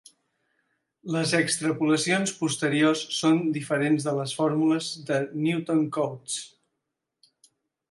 Les extrapolacions posteriors són diferents de les fórmules de Newton Cotes.